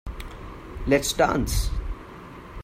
Let's dance.